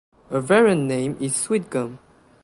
A variant name is "Sweetgum".